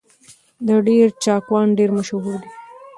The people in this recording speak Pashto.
د دير چاکوان ډېر مشهور دي